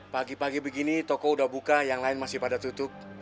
pagi pagi begini toko udah buka yang lain masih pada tutup